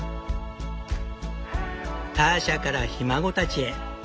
ターシャからひ孫たちへ。